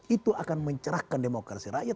itu akan mencerahkan demokrasi rakyat